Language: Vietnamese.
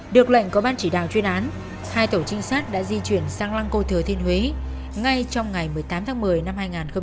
được lệnh của ban chỉ đạo chuyên án hai tổ trinh sát đã di chuyển sang lăng cô thừa thiên huế ngay trong ngày một mươi tám tháng một mươi năm hai nghìn một mươi chín